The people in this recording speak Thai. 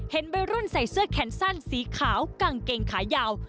วัยรุ่นใส่เสื้อแขนสั้นสีขาวกางเกงขายาว